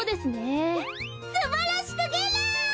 すばらしすぎる！